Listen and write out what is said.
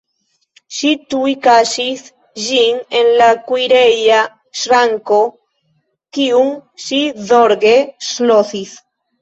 Ŝi tuj kaŝis ĝin en la kuireja ŝranko, kiun ŝi zorge ŝlosis.